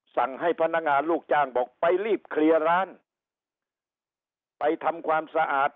สั่งให้พนักงานลูกจ้างบอกไปรีบเคลียร์ร้านไปทำความสะอาด